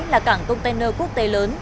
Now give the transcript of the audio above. là cảng container quốc tế lớn